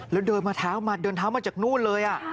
แล้วเดินมาเท้ามาเดินเท้ามาจากนู่นเลย